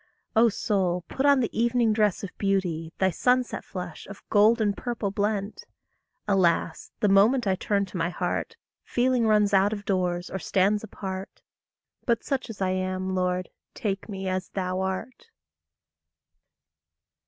O soul, put on the evening dress of beauty, Thy sunset flush, of gold and purple blent! Alas, the moment I turn to my heart, Feeling runs out of doors, or stands apart! But such as I am, Lord, take me as thou art.